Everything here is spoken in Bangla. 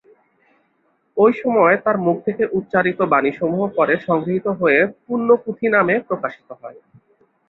ওই সময় তাঁর মুখ থেকে উচ্চারিত বাণীসমূহ পরে সংগৃহীত হয়ে পুণ্যপুঁথি নামে প্রকাশিত হয়।